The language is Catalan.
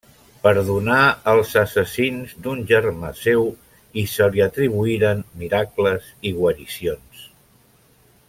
Perdonà els assassins d'un germà seu i se li atribuïren miracles i guaricions.